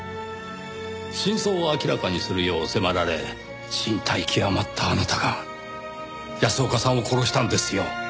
真相を明らかにするよう迫られ進退窮まったあなたが安岡さんを殺したんですよ。